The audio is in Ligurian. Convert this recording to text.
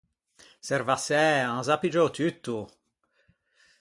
Serv’assæ, an za piggiou tutto.